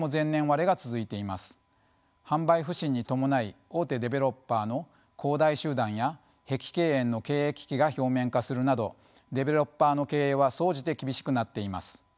販売不振に伴い大手デベロッパーの恒大集団や碧桂園の経営危機が表面化するなどデベロッパーの経営は総じて厳しくなっています。